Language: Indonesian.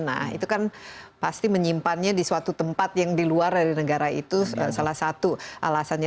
nah itu kan pasti menyimpannya di suatu tempat yang di luar dari negara itu salah satu alasannya